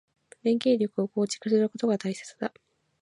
連携力を構築することが大切だ。